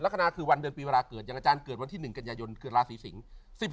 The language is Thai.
ลักษณะคือวันเดือนปีเวลาเกิดอย่างอาจารย์เกิดวันที่๑กันยายนเกิดราศีสิงศ์